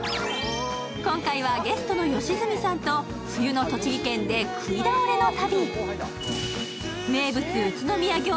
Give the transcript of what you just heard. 今回は、ゲストの吉住さんと冬の栃木県で、食い倒れの旅。